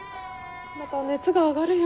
また熱が上がるよ。